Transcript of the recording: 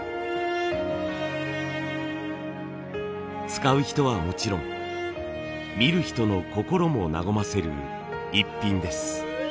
使う人はもちろん見る人の心も和ませるイッピンです。